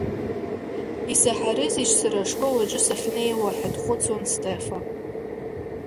Исаҳарызеишь сара ашкол аҿы сахьнеиуа, ҳәа дхәыцуан Стефа.